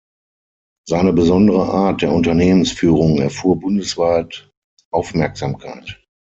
Seine besondere Art der Unternehmensführung erfuhr bundesweit Aufmerksamkeit.